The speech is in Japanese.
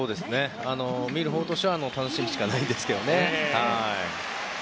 見るほうとしては楽しみしかないですね。